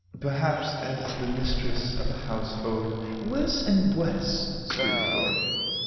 "Perhaps as the mistress of a household " "Worse and worse!" screamed Flora.